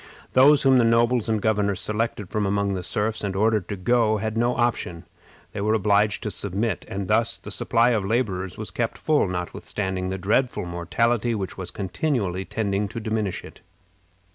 Those whom the nobles and governors selected from among the serfs and ordered to go had no option; they were obliged to submit. And thus the supply of laborers was kept full, notwithstanding the dreadful mortality which was continually tending to diminish it.